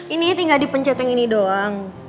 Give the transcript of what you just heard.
ini tinggal dipencet yang ini doang